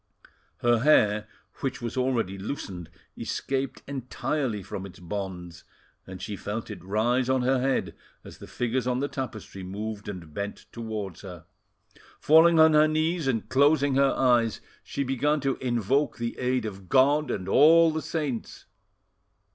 Her hair, which was already loosened, escaped entirely from its bonds, and she felt it rise on her head as the figures on the tapestry moved and bent towards her. Falling on her knees and closing her eyes, she began to invoke the aid of God and all the saints.